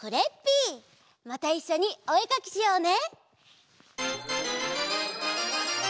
またいっしょにおえかきしようね！